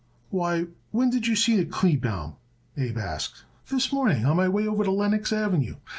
"Why, when did you seen it, Kleebaum?" Abe asked. "This morning on my way over to Lenox Avenue.